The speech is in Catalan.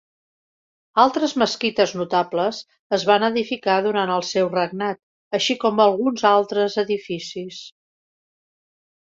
Altres mesquites notables es van edificar durant el seu regnat així com alguns altres edificis.